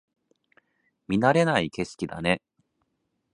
見慣れない景色だね